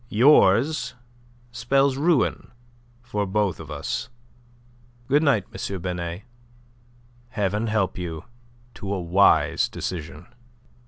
Yours spells ruin for both of us. Good night, M. Binet. Heaven help you to a wise decision."